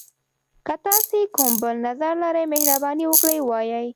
که تاسي کوم بل نظر لری، مهرباني وکړئ ووایئ.